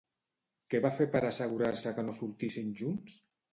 Què va fer per assegurar-se que no sortissin junts?